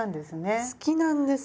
好きなんです。